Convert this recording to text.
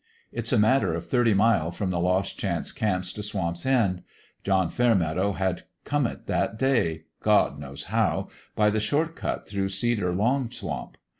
It's a matter of thirty mile from the Lost Chance camps t' Swamp's End : John Fairmeadow had come it that day, God knows how! by the short cut through Cedar Long Swamp.